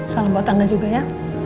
salam buat tangga juga ya